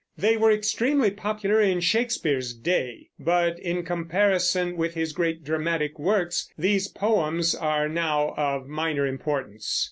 They were extremely popular in Shakespeare's day, but in comparison with his great dramatic works these poems are now of minor importance.